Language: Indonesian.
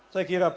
saya kira pak